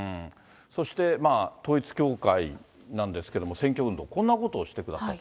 そして統一教会なんですけれども、選挙運動、こんなことをしてくださる。